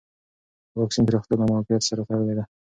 د واکسین پراختیا له معافیت سره تړلې ده.